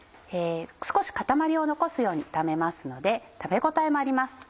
少し固まりを残すように炒めますので食べ応えもあります。